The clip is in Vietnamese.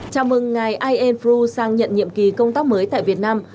chào mừng ngài ian frew sang nhận nhiệm kỳ công tác mới tại việt nam